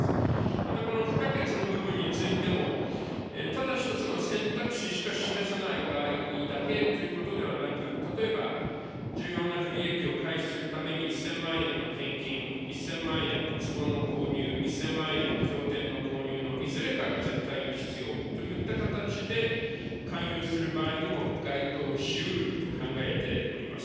またこの不可欠の部分についても、ただ一つの選択肢しか示さない場合だけということではなく、例えば重要な不利益を回避するために、１０００万円の献金、１０００万円のつぼの購入、１０００万円の経典の購入のいずれかが絶対に必要といった形で勧誘する場合にも、該当しうると考えております。